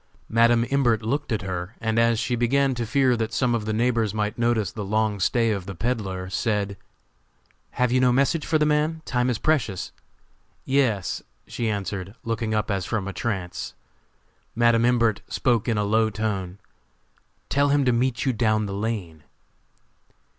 Madam Imbert looked at her, and as she began to fear that some of the neighbors might notice the long stay of the peddler, said: "Have you no message for the man? Time is precious!" "Yes," she answered, looking up as from a trance. Madam Imbert spoke in a low tone: "Tell him to meet you down the lane."